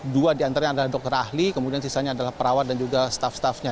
dua diantaranya adalah dokter ahli kemudian sisanya adalah perawat dan juga staf staffnya